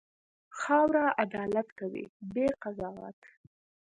خاوره عدالت کوي، بې قضاوت.